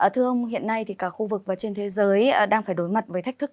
thưa ông hiện nay cả khu vực và trên thế giới đang phải đối mặt với thách thức